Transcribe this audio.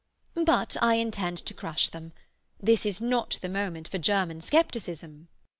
But I intend to crush them. This is not the moment for German scepticism.